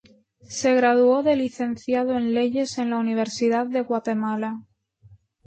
Se graduó de Licenciado en Leyes en la Universidad de Guatemala.